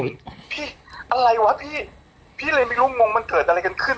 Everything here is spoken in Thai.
พี่อะไรวะพี่พี่เลยไม่รู้งงมันเกิดอะไรกันขึ้น